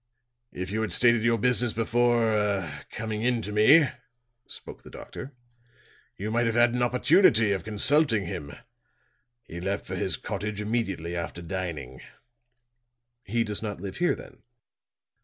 "If you had stated your business before ah coming in to me," spoke the doctor, "you might have had an opportunity of consulting him. He left for his cottage immediately after dining." "He does not live here, then?"